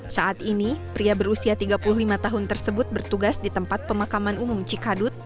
saat ini pria berusia tiga puluh lima tahun tersebut bertugas di tempat pemakaman umum cikadut